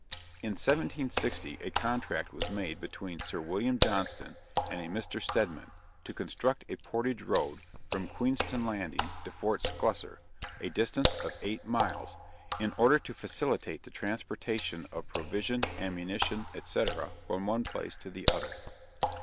In 1760, a contract was made between Sir William Johnston and a Mr. Stedman, to construct a portage road from Queenston landing to Fort Sclusser, a distance of eight miles, in order to facilitate the transportation of provision, ammunition, &c. from one place to the other.